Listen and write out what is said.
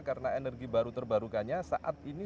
karena energi baru terbarukannya saat ini